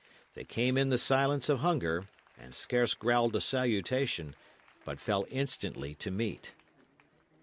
They came in the silence of hunger, and scarce growled a salutation, but fell instantly to meat.